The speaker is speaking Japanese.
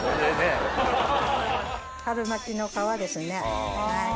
春巻きの皮ですね。